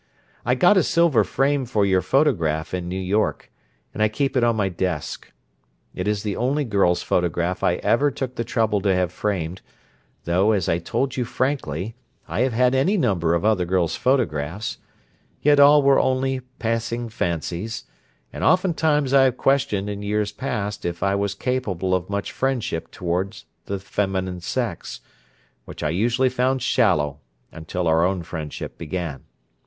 I got a silver frame for your photograph in New York, and I keep it on my desk. It is the only girl's photograph I ever took the trouble to have framed, though, as I told you frankly, I have had any number of other girls' photographs, yet all were only passing fancies, and oftentimes I have questioned in years past if I was capable of much friendship toward the feminine sex, which I usually found shallow until our own friendship began.